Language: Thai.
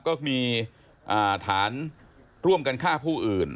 ก็มีฐานร่วมกันฆ่าผู้อื่น